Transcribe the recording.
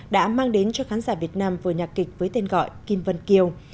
đã mang đến cho khán giả việt nam vở nhạc kịch với tên gọi kim vân kiều